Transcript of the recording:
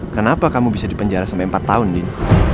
kenapa kamu bisa dipenjara sampai empat tahun nih